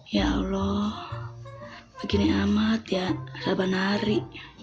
ya allah begini amat ya sabar nari